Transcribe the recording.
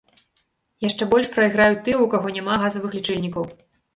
Яшчэ больш прайграюць тыя, у каго няма газавых лічыльнікаў.